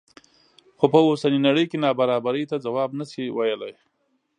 خو په اوسنۍ نړۍ کې نابرابرۍ ته ځواب نه شي ویلی.